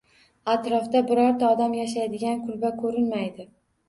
Atrofda birorta odam yashaydigan kulba ko`rinmaydi